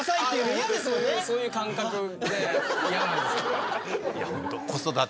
そういう感覚で嫌なんです。